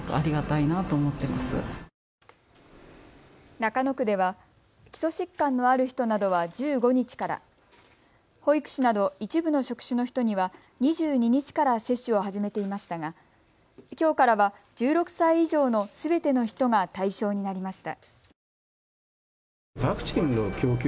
中野区では基礎疾患のある人などは１５日から、保育士など一部の職種の人には２２日から接種を始めていましたがきょうからは１６歳以上のすべての人が対象になりました。